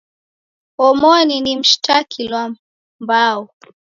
Omoni na mshitakilwa mbao